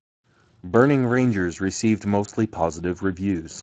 "Burning Rangers" received mostly positive reviews.